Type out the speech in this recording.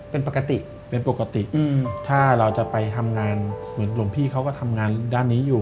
เป็นปกติเป็นปกติถ้าเราจะไปทำงานเหมือนหลวงพี่เขาก็ทำงานด้านนี้อยู่